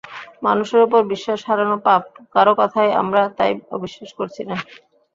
মানুষের ওপর বিশ্বাস হারানো পাপ, কারও কথাই আমরা তাই অবিশ্বাস করছি না।